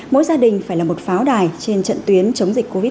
mỗi gia đình phải là một pháo đài trên trận tuyến chống dịch covid một mươi chín